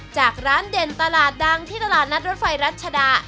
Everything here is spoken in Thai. จากร้านเด่นตลาดดังที่ตลาดนัดรถไฟรัชดา